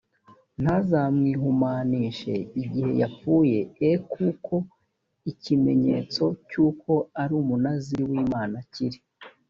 ntazamwihumanishe igihe yapfuye e kuko ikimenyetso cy uko ari umunaziri w imana kiri